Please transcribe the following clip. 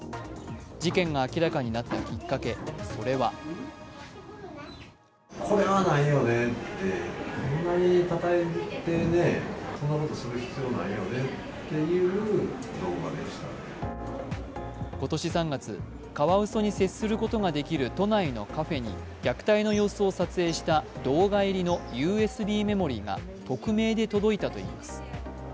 事件が明らかになったきっかけ、それは今年３月、カワウソに接することができる都内のカフェに虐待の様子を撮影した動画入りのＵＳＢメモリーが匿名で届いたといいます。